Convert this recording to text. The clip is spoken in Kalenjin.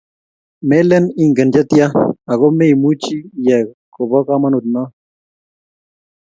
melen ingen chetyaa, aku neimuchi iyai ko bo komonut noe